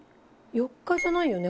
４日じゃないよね